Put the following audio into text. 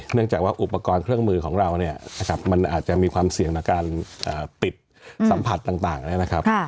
เนื่องจากว่าอุปกรณ์เครื่องมือของเราเนี่ยนะครับมันอาจจะมีความเสี่ยงในการปิดสัมผัสต่างนะครับ